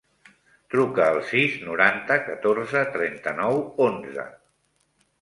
Truca al sis, noranta, catorze, trenta-nou, onze.